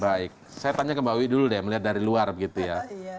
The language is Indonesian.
baik saya tanya ke mbak wiwi dulu deh melihat dari luar begitu ya